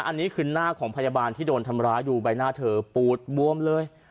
อันนี้คือหน้าของพยาบาลที่โดนทำร้ายดูใบหน้าเธอปูดบวมเลย